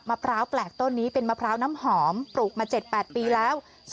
พร้าวแปลกต้นนี้เป็นมะพร้าวน้ำหอมปลูกมา๗๘ปีแล้ว